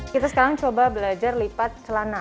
kita sekarang coba belajar lipat celana